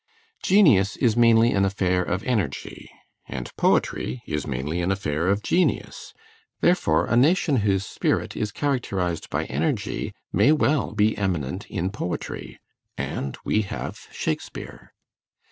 Genius is mainly an affair of energy, and poetry is mainly an affair of genius; therefore a nation whose spirit is characterized by energy may well be eminent in poetry; and we have Shakespeare.